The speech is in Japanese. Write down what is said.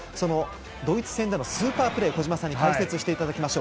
ドイツ戦でのスーパープレーを解説していただきます。